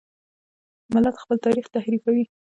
ملت خپل تاریخ تحریفوي.